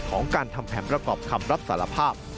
ของการทำแผนประกอบคำรับสารภาพ